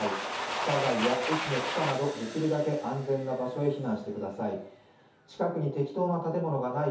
地下街や駅の地下などできるだけ安全な場所に避難してください。